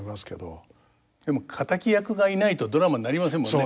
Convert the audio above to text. でも敵役がいないとドラマになりませんもんね。